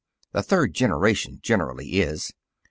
The third generation generally is.